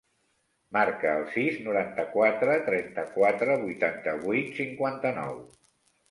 Marca el sis, noranta-quatre, trenta-quatre, vuitanta-vuit, cinquanta-nou.